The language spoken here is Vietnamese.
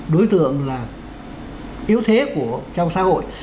đối tượng là yếu thế trong xã hội